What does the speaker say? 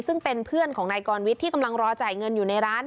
ซึ่งเป็นเพื่อนของนายกรวิทย์ที่กำลังรอจ่ายเงินอยู่ในร้าน